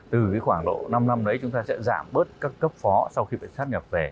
từ khoảng độ năm năm đấy chúng ta sẽ giảm bớt các cấp phó sau khi bị sát nhập về